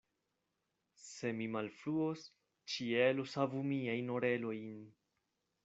Se mi malfruos, ĉielo savu miajn orelojn!